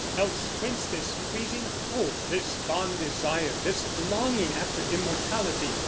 Else whence this pleasing hope, this fond desire, This longing after immortality?